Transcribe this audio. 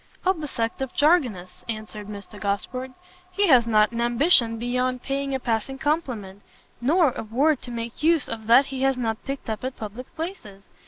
"Of the sect of JARGONISTS," answered Mr Gosport; "he has not an ambition beyond paying a passing compliment, nor a word to make use of that he has not picked up at public places.